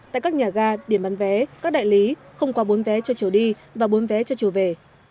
tại các nhà gà điểm bán vé các đại lý không qua bốn vé cho chủ đi và bốn vé cho chủ về